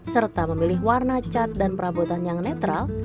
serta memilih warna cat dan perabotan yang netral